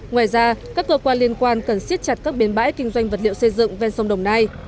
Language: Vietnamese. ngoài ra các cơ quan liên quan cần siết chặt các bến bãi kinh doanh vật liệu xây dựng ven sông đồng nai